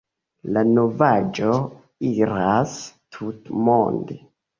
La novaĵo iras tutmonde.